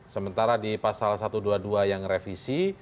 sementara di pasal satu ratus dua puluh dua yang revisi